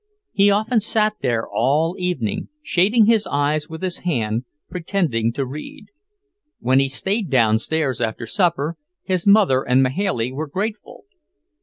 He often sat there all evening, shading his eyes with his hand, pretending to read. When he stayed downstairs after supper, his mother and Mahailey were grateful.